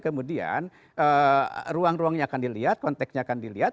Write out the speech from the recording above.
kemudian ruang ruangnya akan dilihat konteksnya akan dilihat